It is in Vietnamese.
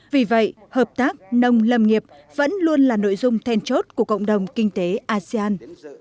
vì vậy hợp tác nông lâm nghiệp vẫn luôn là nội dung then chốt của cộng đồng kinh tế asean